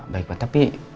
baik pak tapi